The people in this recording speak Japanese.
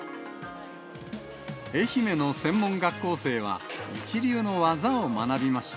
愛媛の専門学校生は、一流の技を学びました。